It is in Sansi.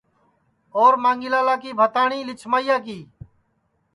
اور مانگھی لالا کی بھتاٹؔی لیجھمیا کی